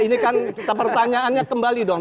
ini kan pertanyaannya kembali dong